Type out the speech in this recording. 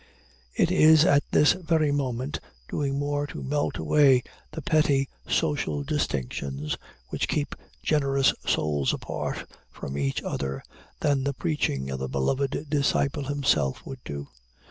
It is at this very moment doing more to melt away the petty social distinctions which keep generous souls apart from each other, than the preaching of the Beloved Disciple himself would do.